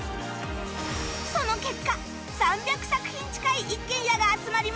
その結果３００作品近い一軒家が集まりました